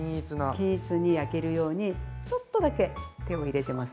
均一に焼けるようにちょっとだけ手を入れてます。